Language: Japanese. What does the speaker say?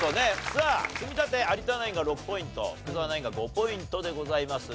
さあ積み立て有田ナインが６ポイント福澤ナインが５ポイントでございます。